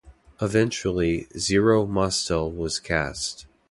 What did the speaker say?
Eventually, Zero Mostel was cast.